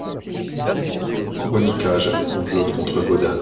Onikage complote contre Godha.